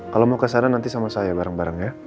kalau mau kesana nanti sama saya bareng bareng ya